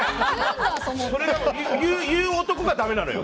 言う男がダメなのよ。